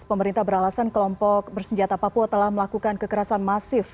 pemerintah beralasan kelompok bersenjata papua telah melakukan kekerasan masif